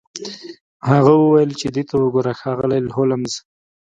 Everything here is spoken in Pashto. هغه وویل چې دې ته وګوره ښاغلی هولمز